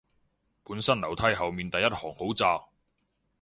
本身樓梯後面第一行好窄